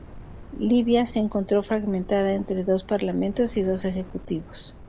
Libia se encontró fragmentada entre dos parlamentos y dos ejecutivos.